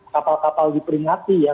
kapal kapal diperingati ya